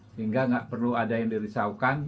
sehingga nggak perlu ada yang dirisaukan